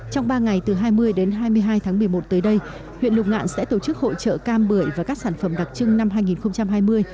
trong ba ngày từ hai mươi đến hai mươi hai tháng một mươi một tới đây huyện lục ngạn sẽ tổ chức hội trợ cam bưởi và các sản phẩm đặc trưng năm hai nghìn hai mươi